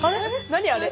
何あれ？